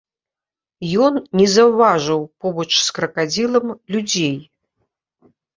Ён не заўважыў побач з кракадзілам людзей.